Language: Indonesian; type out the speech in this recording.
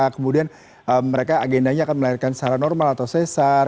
kemudian mereka agendanya akan melahirkan secara normal atau sesar